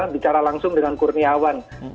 bicara langsung dengan kurniawan